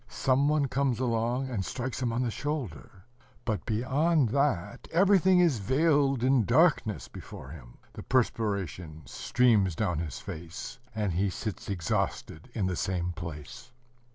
Some one comes along, and strikes him on the shoulder; ... but beyond that everything is veiled in darkness before him. The perspiration streams down his face, and he sits exhausted in the same place.